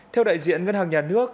theo đại diện ngân hàng nhà nước